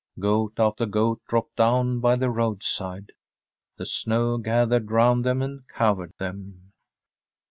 Goat after goat dropped down by the roadside. The snow gathered round them and covered them.